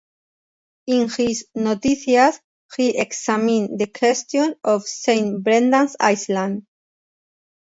In his "Noticias", he examined the question of Saint Brendan's Island.